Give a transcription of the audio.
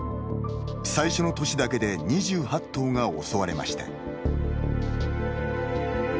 最初の年だけで２８頭が襲われました。